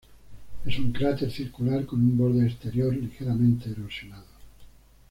Es un cráter circular con un borde exterior ligeramente erosionado.